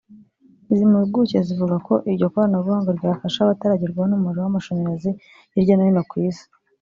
Izi mpuguke zivuga ko iryo koranabuhanga ryafasha abatagerwaho n’umuriro w’amashanyarazi hirya no hino ku Isi